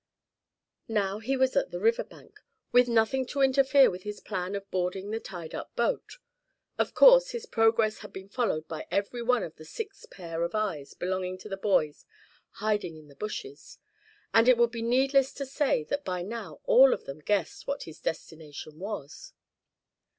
Now he was at the river bank, with nothing to interfere with his plan of boarding the tied up boat. Of course his progress had been followed by every one of the six pair of eyes belonging to the boys hiding in the bushes, and it would be needless to say that by now all of them guessed what his destination was.